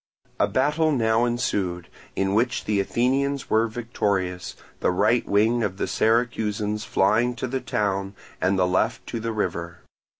A battle now ensued, in which the Athenians were victorious, the right wing of the Syracusans flying to the town and the left to the river.